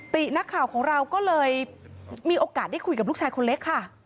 ตินักข่าวของเราก็เลยมีโอกาสได้คุยกับลูกชายคนเล็กค่ะ